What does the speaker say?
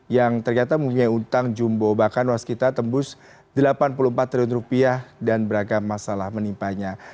yang ternyata mempunyai utang jumbo bahkan waskita tembus delapan puluh empat triliun rupiah dan beragam masalah menimpanya